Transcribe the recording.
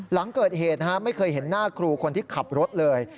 หลังเกิดเหตุไม่เคยเห็นหน้าครูคนที่ขับรถเลย